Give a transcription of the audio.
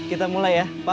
aku tidak tahu kayak apa itu